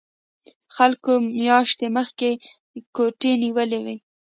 خلکو میاشتې مخکې کوټې نیولې وي